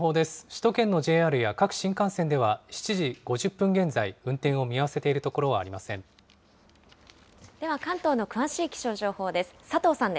首都圏のＪＲや各新幹線では、７時５０分現在、運転を見合わせている所はありません。